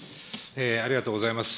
ありがとうございます。